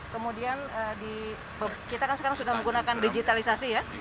kemudian kita kan sekarang sudah menggunakan digitalisasi ya